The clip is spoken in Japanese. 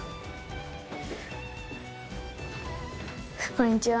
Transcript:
こんにちは。